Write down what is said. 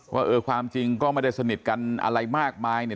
ว่าความจริงก็ไม่ได้สนิทกันอะไรมากมาย